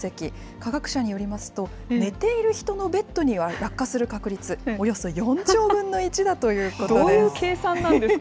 科学者によりますと、寝ている人のベッドに落下する確率、およそどういう計算なんですか。